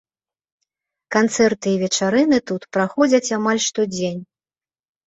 Канцэрты і вечарыны тут праходзяць амаль штодзень.